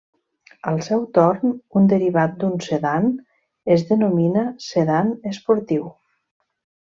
Al seu torn, un derivat d'un sedan es denomina sedan esportiu.